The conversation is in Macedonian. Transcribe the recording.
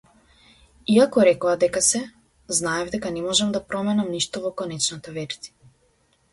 Иако рекоа дека се, знаев дека не можам да променам ништо во конечната верзија.